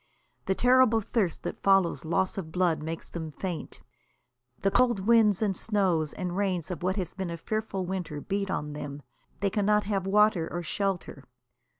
The terrible thirst that follows loss of blood makes them faint; the cold winds and snows and rains of what has been a fearful winter beat on them; they cannot have water or shelter.